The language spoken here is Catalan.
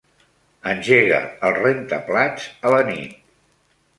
Engega el rentaplats a la nit.